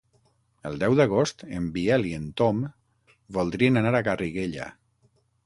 El deu d'agost en Biel i en Tom voldrien anar a Garriguella.